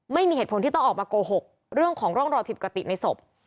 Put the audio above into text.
ไม่มีเหตุผลที่ต้องออกมาโกหกเรื่องของร่องรอยผิดปกติในศพ